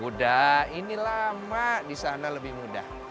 udah ini lama di sana lebih mudah